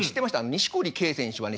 錦織圭選手はね